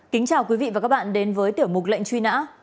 kính chào quý vị và các bạn đến với tiểu mục lệnh truy nã